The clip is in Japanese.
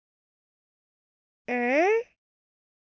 うん？